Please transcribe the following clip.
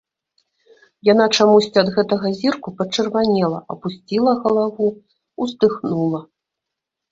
Яна чамусьці ад гэтага зірку пачырванела, апусціла галаву, уздыхнула.